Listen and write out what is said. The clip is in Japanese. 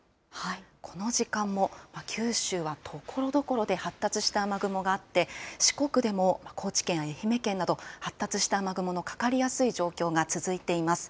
この時間も九州はところどころで発達した雨雲があって、四国でも高知県や愛媛県など発達した雨雲がかかりやすい状況が続いています。